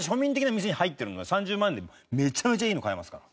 ３０万でめちゃめちゃいいの買えますから。